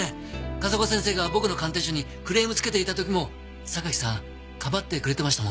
風丘先生が僕の鑑定書にクレームつけていた時も榊さんかばってくれてましたもんね？